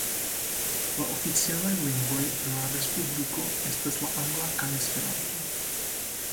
La oficialaj lingvoj de la respubliko estas la angla kaj Esperanto.